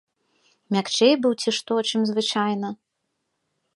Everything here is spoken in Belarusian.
Мякчэй быў ці што, чым звычайна.